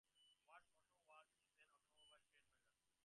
Ward's AutoWorld is an automobile trade magazine.